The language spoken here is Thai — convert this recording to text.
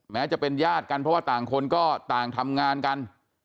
แม้จะเป็นญาติกันเพราะว่าต่างคนก็ต่างทำงานกัน